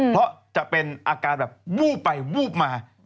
เพราะจะเป็นอาการแบบวูบไปวูบมา